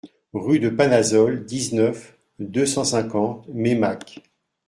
Rue de Panazol, dix-neuf, deux cent cinquante Meymac